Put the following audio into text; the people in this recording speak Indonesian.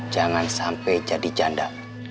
jangan sampai jadi janda